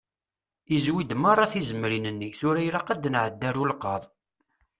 Izwi-d meṛṛa tizemrin-nni, tura ilaq ad nɛeddi ar ulqaḍ.